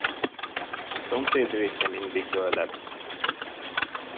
A szomszéd rétje mindig zöldebb.